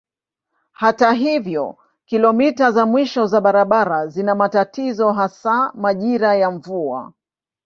Hata hivyo kilomita za mwisho za barabara zina matatizo hasa majira ya mvua.